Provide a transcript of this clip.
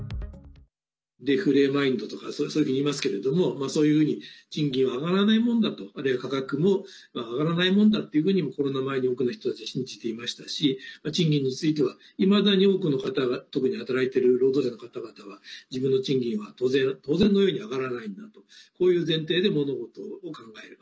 デフレマインドとかそういうふうにいいますけれどそういうふうに賃金は上がらないものだとあるいは価格も上がらないものだというふうにコロナ前に多くの人たちは信じていましたし賃金についてはいまだに多くの方が特に働いてる労働者の方々は自分の賃金は当然のように上がらないんだとこういう前提で物事を考える。